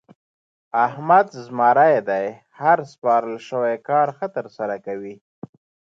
احمد زمری دی؛ هر سپارل شوی کار ښه ترسره کوي.